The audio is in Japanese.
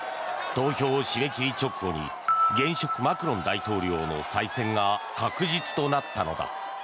投票締め切り直後現職、マクロン大統領の再選が確実となったのだ。